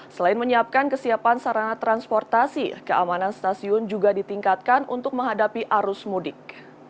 selain menyiapkan kesiapan sarana transportasi keamanan stasiun juga ditingkatkan untuk menghadapi arus mudik